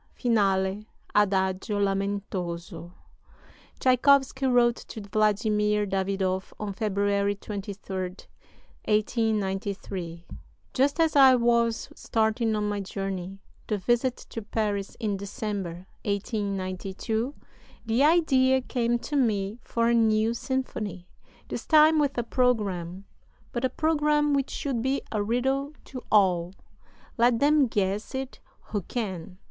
Finale: Adagio lamentoso Tschaikowsky wrote to Vladimir Davidoff on February 23, 1893: "Just as I was starting on my journey [the visit to Paris in December, 1892] the idea came to me for a new symphony. This time with a programme; but a programme which should be a riddle to all let them guess it who can!